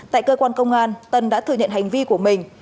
tại cơ quan công an tân đã thừa nhận hành vi của mình